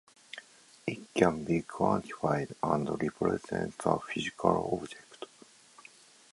It can be quantified and represents a physical object.